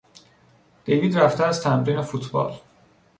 دیوید رفته است تمرین فوتبال.